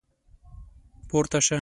پورته شوه.